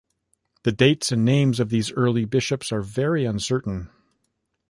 The dates and names of these early bishops are very uncertain.